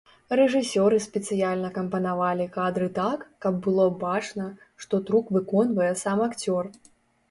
Рэжысёры спецыяльна кампанавалі кадры так, каб было бачна, што трук выконвае сам акцёр.